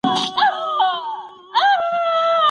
دوی ماته ګوري چې غوښه په خوند وخورم.